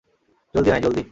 জলদি আয়, জলদি।